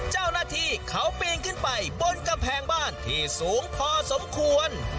เจ้าหน้าที่เขาปีนขึ้นไปบนกำแพงบ้านที่สูงพอสมควร